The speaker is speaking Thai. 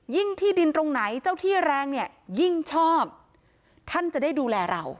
ที่ดินตรงไหนเจ้าที่แรงเนี่ยยิ่งชอบท่านจะได้ดูแลเรา